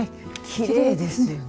きれいですよね。